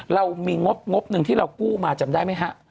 เรามีงบหนึ่งที่เรากู้มาจำได้ไหมฮะ